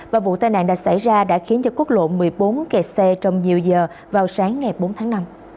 và vụ tai nạn đã xảy ra đã khiến quốc lộ một mươi bốn kẹt xe trong nhiều giờ vào sáng ngày bốn tháng năm